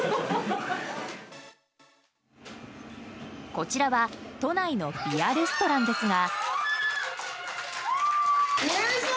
こちらは都内のビアレストラン。ですが。